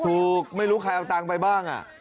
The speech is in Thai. ถูกไม่รู้ใครเอาเงินไปบ้าง